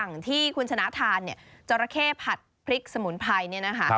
อย่างที่คุณชนะทานเนี่ยจราเข้ผัดพริกสมุนไพรเนี่ยนะคะ